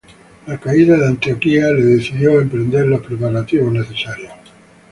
La caída de Antioquía le decidió a emprender los preparativos necesarios.